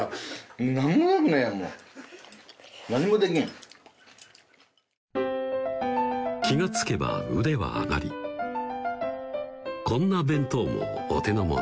何やねんもう気が付けば腕は上がりこんな弁当もお手のもの